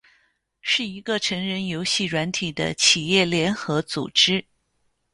是一个成人游戏软体的企业联合组织。